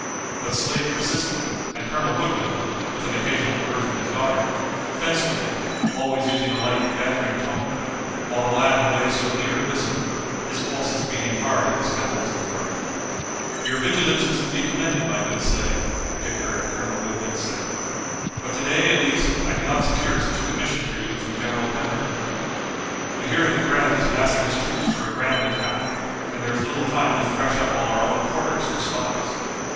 But Slade persisted, and Colonel Woodville, with an occasional word from his daughter, fenced with him, always using a light bantering tone, while the lad who lay so near listened, his pulses beating hard in his temples and throat. "Your vigilance is to be commended, my good Slade," Dick heard Colonel Woodville say, "but to day at least I cannot secure such a commission for you from General Pemberton. We hear that Grant is massing his troops for a grand attack, and there is little time to thresh up all our own quarters for spies.